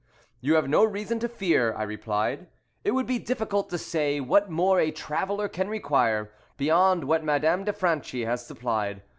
"You have no reason to fear," I replied; "it would be difficult to say what more a traveller can require beyond what Madame de Franchi has supplied.